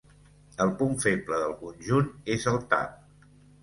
El punt feble del conjunt és el tap.